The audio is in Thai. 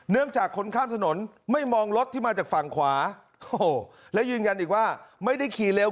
จากคนข้ามถนนไม่มองรถที่มาจากฝั่งขวาโอ้โหและยืนยันอีกว่าไม่ได้ขี่เร็ว